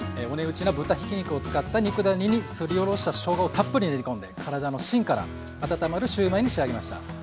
お値打ちな豚ひき肉を使った肉ダネにすりおろしたしょうがをたっぷり練り込んで体の芯から温まるシューマイに仕上げました。